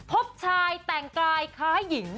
พบชายแต่งกายคล้ายหญิง